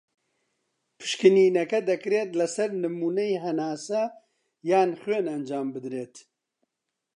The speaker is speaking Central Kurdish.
پشکنینەکە دەکرێت لە سەر نمونەی هەناسە یان خوێن ئەنجام بدرێت.